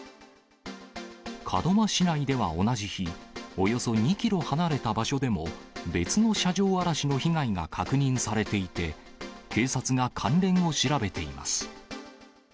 門真市内では同じ日、およそ２キロ離れた場所でも、別の車上荒らしの被害が確認されていて、警察が関連を調べています。